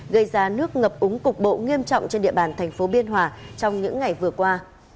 gây ra nước ngập úng cục bộ nghiêm trọng trên địa bàn thành phố biên hòa trong những ngày vừa qua